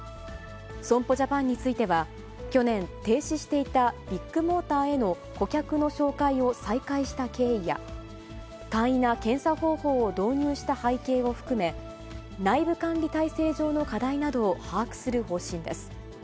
損保ジャパンについては、去年、停止していたビッグモーターへの顧客の紹介を再開した経緯や、簡易な検査方法を導入した背景を含め、内部管理体制上の課題などを把握する方針です。